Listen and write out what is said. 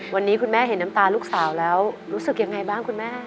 วันนี้คุณแม่เห็นน้ำตาลูกสาวแล้วรู้สึกยังไงบ้างคุณแม่